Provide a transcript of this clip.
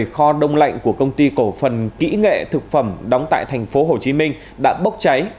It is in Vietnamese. kho đông lạnh của công ty cổ phần kỹ nghệ thực phẩm đóng tại tp hcm đã bốc cháy